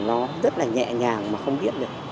nó rất là nhẹ nhàng mà không biết được